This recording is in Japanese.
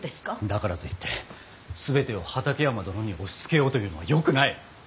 だからといって全てを畠山殿に押しつけようというのはよくない。